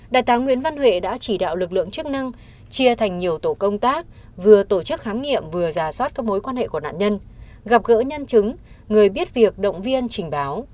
đại tá nguyễn văn huệ đã chỉ đạo lực lượng chức năng chia thành nhiều tổ công tác vừa tổ chức khám nghiệm vừa giả soát các mối quan hệ của nạn nhân gặp gỡ nhân chứng người biết việc động viên trình báo